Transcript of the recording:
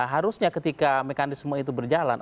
harusnya ketika mekanisme itu berjalan